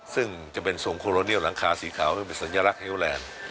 ซึ่งจะเป็นทรงโคโลเนียลหลังคาสีขาวครูเป็นสัญลักษณ์เฮลว์แหลน